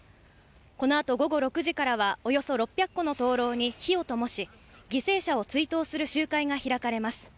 このあと午後６時からは、およそ６００個の灯籠に火をともし、犠牲者を追悼する集会が開かれます。